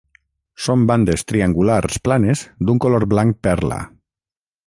Són bandes triangulars planes d'un color blanc perla.